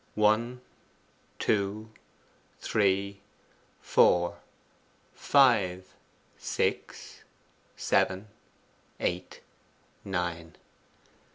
'One, two, three, four, five, six, seven, eight, nine.